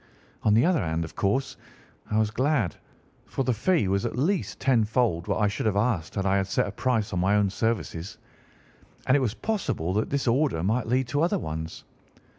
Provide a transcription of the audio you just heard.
On the one hand, of course, I was glad, for the fee was at least tenfold what I should have asked had I set a price upon my own services, and it was possible that this order might lead to other ones.